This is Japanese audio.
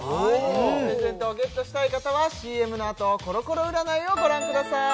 おおプレゼントをゲットしたい方はＣＭのあとコロコロ占いをご覧ください